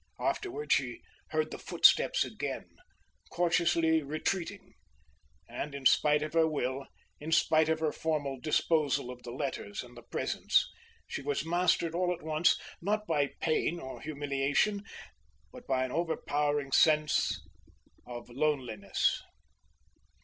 Afterward she heard the footsteps again, cautiously retreating; and in spite of her will, in spite of her formal disposal of the letters and the presents, she was mastered all at once, not by pain or humiliation, but by an overpowering sense of loneliness.